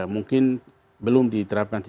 mungkin belum diterapkan